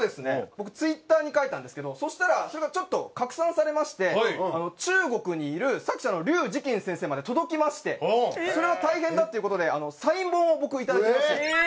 僕Ｔｗｉｔｔｅｒに書いたんですけどそしたらそれがちょっと拡散されまして中国にいる作者の劉慈欣先生まで届きましてそれは大変だっていう事でサイン本を僕いただきまして。